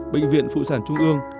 bệnh viện phụ sản trung ương